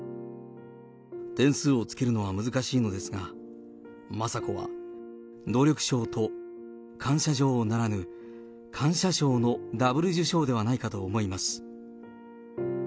点数をつけるのは難しいのですが、雅子は努力賞と感謝状ならぬ、感謝賞のダブル受賞ではないかと思います。